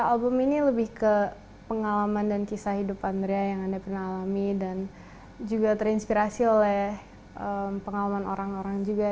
album ini lebih ke pengalaman dan kisah hidup andrea yang anda pernah alami dan juga terinspirasi oleh pengalaman orang orang juga